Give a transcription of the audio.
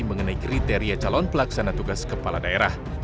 mengenai kriteria calon pelaksana tugas kepala daerah